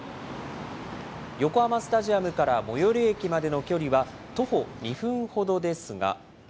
横浜スタジアムから最寄り駅までの距離は徒歩２分ほどですが。